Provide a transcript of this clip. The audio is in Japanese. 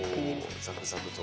おザクザクと。